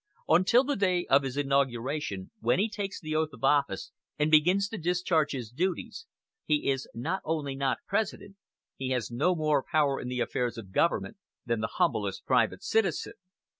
Until the day of his inauguration, when he takes the oath of office and begins to discharge his duties, he is not only not President he has no more power in the affairs of the Government than the humblest private citizen.